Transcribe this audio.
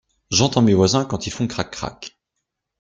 J'entends mes voisins quand ils font crac crac.